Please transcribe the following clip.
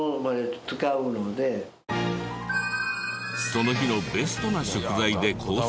その日のベストな食材でコース